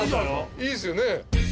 いいっすよね。